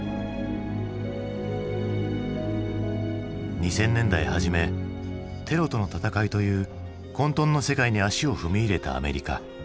２０００年代初めテロとの戦いという混とんの世界に足を踏み入れたアメリカ。